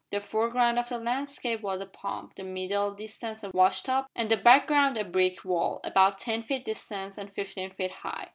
The foreground of the landscape was a pump, the middle distance a wash tub, and the background a brick wall, about ten feet distant and fifteen feet high.